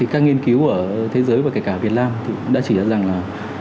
các nghiên cứu ở thế giới và kể cả việt nam đã chỉ ra rằng là